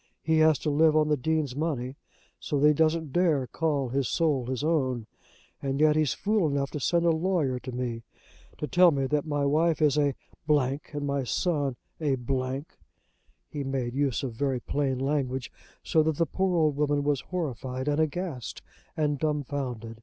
He has to live on the Dean's money, so that he doesn't dare to call his soul his own. And yet he's fool enough to send a lawyer to me to tell me that my wife is a , and my son a !" He made use of very plain language, so that the poor old woman was horrified and aghast and dumbfounded.